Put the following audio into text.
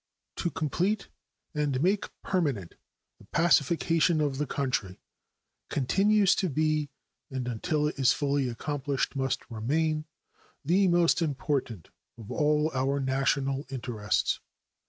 To complete and make permanent the pacification of the country continues to be, and until it is fully accomplished must remain, the most important of all our national interests.